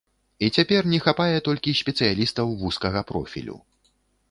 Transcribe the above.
І цяпер не хапае толькі спецыялістаў вузкага профілю.